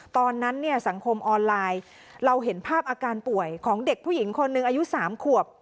ตอนนั้นเนี่ยสังคมออนไลน์เราเห็นภาพอาการป่วยของเด็กผู้หญิงคนหนึ่งอายุ๓ขวบ